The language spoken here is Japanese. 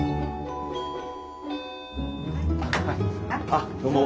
あっどうぞ。